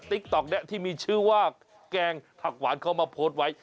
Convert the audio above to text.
ติ๊กต๊อกนี้ที่มีชื่อว่าแกงผักหวานเขามาโพสต์ไว้